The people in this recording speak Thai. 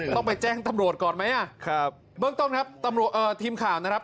ต้องไปแจ้งตำรวจก่อนไหมอะเข้าเบิร์กต้องนะทังพ่อเออทีมข่าวนะครับ